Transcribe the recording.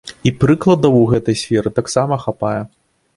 І прыкладаў у гэтай сферы таксама хапае.